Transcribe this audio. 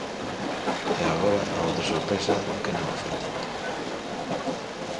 E agora, a outra sorpresa que non o foi tanto.